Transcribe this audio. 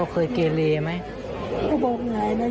เค้าเคยเกรลีหรือไหม